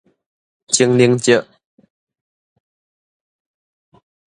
鐘奶石